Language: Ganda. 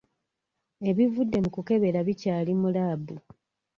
Ebivudde mu kukebera bikyali mu laabu.